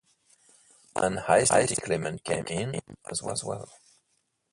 An aesthetic element came in, as well.